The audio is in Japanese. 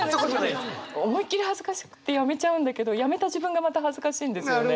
思いっきり恥ずかしくてやめちゃうんだけどやめた自分がまた恥ずかしいんですよね。